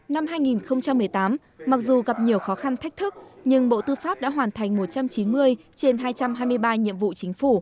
năm hai nghìn một mươi tám mặc dù gặp nhiều khó khăn thách thức nhưng bộ tư pháp đã hoàn thành một trăm chín mươi trên hai trăm hai mươi ba nhiệm vụ chính phủ